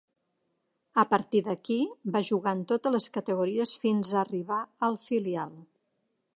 A partir d'aquí, va jugar en totes les categories fins a arribar al filial.